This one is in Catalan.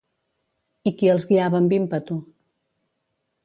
I qui els guiava amb ímpetu?